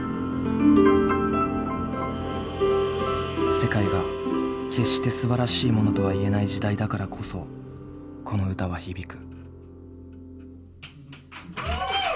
世界が決して素晴らしいものとは言えない時代だからこそこの歌は響く。